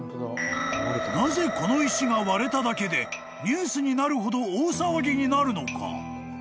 ［なぜこの石が割れただけでニュースになるほど大騒ぎになるのか？］